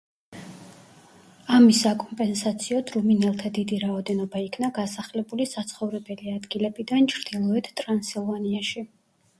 ამის საკომპენსაციოდ რუმინელთა დიდი რაოდენობა იქნა გასახლებული საცხოვრებელი ადგილებიდან ჩრდილოეთ ტრანსილვანიაში.